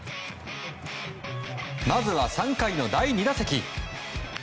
まずは３回の第２打席。